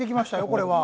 これは。